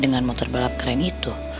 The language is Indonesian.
dengan motor balap keren itu